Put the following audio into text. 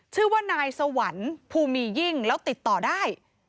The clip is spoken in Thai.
ชื่อว่านายสวรรค์ภูมียิ่งแล้วติดต่อได้